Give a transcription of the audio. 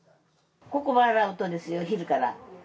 ここは洗うとですよ、昼から。